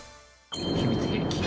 秘密兵器。